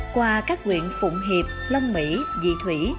qua các quyện phụng hiệp lông mỹ dị thủy